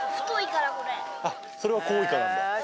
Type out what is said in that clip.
それはコウイカなんだ。